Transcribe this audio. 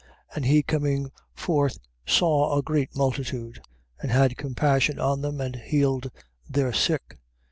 14:14. And he coming forth saw a great multitude, and had compassion on them, and healed their sick.